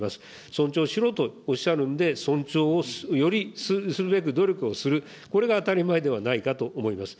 尊重しろとおっしゃるんで、尊重をよりするべく努力をする、これが当たり前ではないかと思います。